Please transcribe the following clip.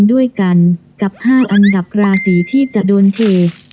ด้วยกันกับ๕อันดับราศีที่จะโดนเท